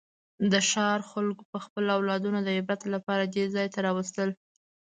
د ښار خلکو به خپل اولادونه د عبرت لپاره دې ځای ته راوستل.